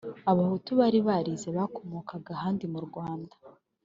abahutu bari barize bakomokaga ahandi mu rwanda